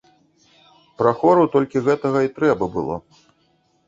Прахору толькі гэтага і трэба было.